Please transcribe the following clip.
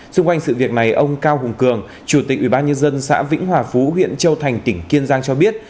xung quanh sự việc này ông cao hùng cường chủ tịch ủy ban nhân dân xã vĩnh hòa phú huyện châu thành tỉnh kiên giang cho biết